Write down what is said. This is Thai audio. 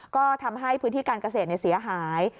ก็ทำให้พื้นที่การเกษตรเสียหาย